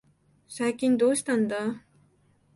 最近どうしたんだ。